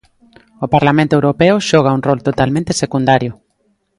O Parlamento europeo xoga un rol totalmente secundario.